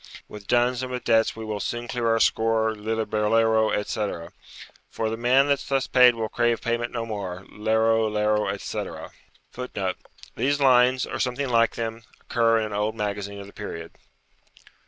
With duns and with debts we will soon clear our score, Lillibulero, etc. For the man that's thus paid will crave payment no more, Lero, lero, etc. [Footnote: These lines, or something like them, occur in an old magazine of the period.